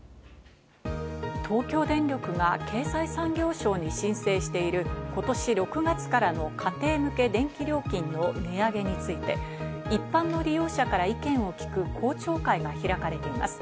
東京電力が経済産業省に申請している今年６月からの家庭向け電気料金の値上げについて、一般の利用者から意見を聞く公聴会が開かれています。